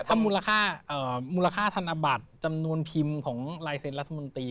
มูลค่ามูลค่าธนบัตรจำนวนพิมพ์ของลายเซ็นรัฐมนตรี